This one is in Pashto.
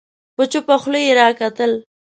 په چوپه خوله يې راکتل